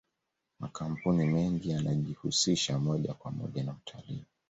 makampuni mengi yanajihusisha moja kwa moja na utalii